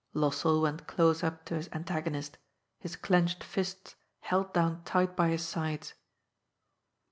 Lossell went close up to his antagonist, his clenched fists held down tight by his sides.